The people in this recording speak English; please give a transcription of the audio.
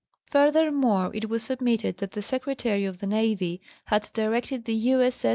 Furthermore it was submitted that the Secretary of the Navy had directed the U. 8.